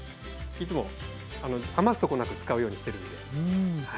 いつもあの余すとこなく使うようにしてるんで。